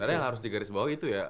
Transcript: karena yang harus digaris bawah itu ya